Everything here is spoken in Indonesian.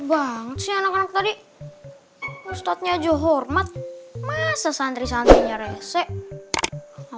banget sih anak anak tadi ustadznya juhormat masa santri santrinya reseh